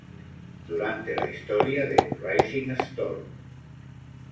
Durante la historia de "Rising Storm!"!